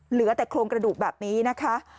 เหลือแต่โครงกระดูกแบบนี้นะคะ